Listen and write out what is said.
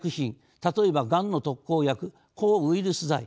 例えばがんの特効薬抗ウイルス剤